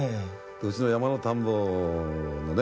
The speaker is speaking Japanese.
うちの山の田んぼのね